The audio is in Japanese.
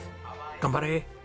頑張れ！